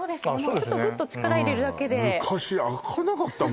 ちょっとグッと力入れるだけでどこ？